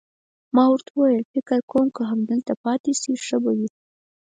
ما ورته وویل: فکر کوم چې که همدلته پاتې شئ، ښه به وي.